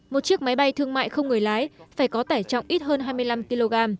một chiếc máy bay thương mại không người lái phải có tải trọng ít hơn hai mươi năm kg